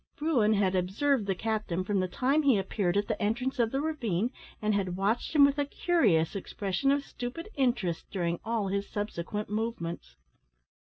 Bruin had observed the captain from the time he appeared at the entrance of the ravine, and had watched him with a curious expression of stupid interest during all his subsequent movements.